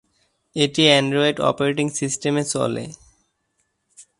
এটি Android operating সিস্টেমে চলে।